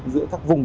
giữa các vùng